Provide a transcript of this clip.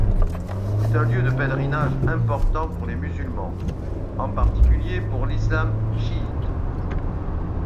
C'est un lieu de pèlerinage important pour les musulmans, en particulier pour l'islam chiite.